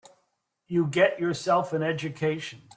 You get yourself an education.